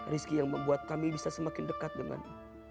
rizki yang membuat kami bisa semakin dekat denganmu